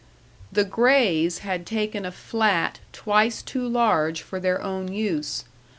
The Grays had taken a flat twice too large for their own use.